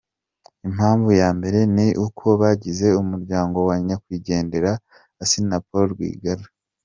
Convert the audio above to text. Impamvu ya mbere ni uko bagize umuryango wa nyakwigendera Assinapol Rwigara.